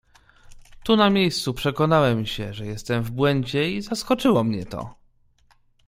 "Tu, na miejscu przekonałem się, że jestem w błędzie i zaskoczyło mnie to."